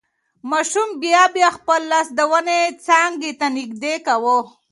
ماشوم بیا بیا خپل لاس د ونې څانګې ته نږدې کاوه.